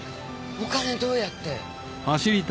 お金どうやって？